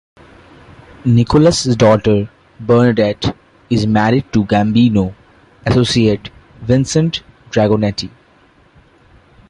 Nicholas' daughter, Bernadette, is married to Gambino associate Vincent Dragonetti.